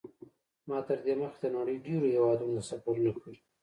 ما تر دې مخکې د نړۍ ډېرو هېوادونو ته سفرونه کړي.